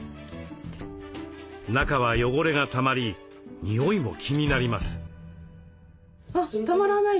中は汚れがたまりにおいも気になります。